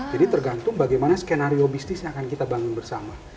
jadi tergantung bagaimana skenario bisnis yang akan kita bangun bersama